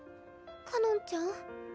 かのんちゃん？